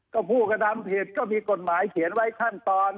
ก็ผู้กระทำผิดก็มีกฎหมายเขียนไว้ขั้นตอน